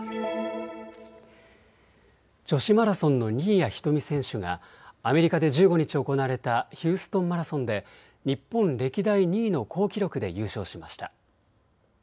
女子マラソンの新谷仁美選手がアメリカで１５日行われたヒューストンマラソンで日本歴代２位の好記録で優勝しました。